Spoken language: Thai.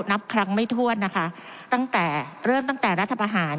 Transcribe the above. นับครั้งไม่ถ้วนนะคะตั้งแต่เริ่มตั้งแต่รัฐประหาร